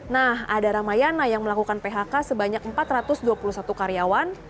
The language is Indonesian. nah ada ramayana yang melakukan phk sebanyak empat ratus dua puluh satu karyawan